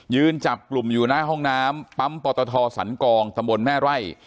จับกลุ่มอยู่หน้าห้องน้ำปั๊มปตทสันกองตำบลแม่ไร่